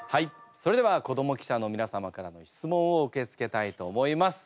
それでは子ども記者のみなさまからの質問を受け付けたいと思います。